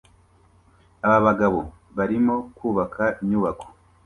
Aba bagabo barimo kubaka inyubako